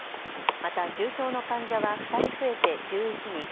また重症の患者は２人増えて１１人。